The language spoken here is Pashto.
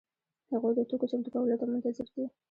هغوی د توکو چمتو کولو ته منتظر دي.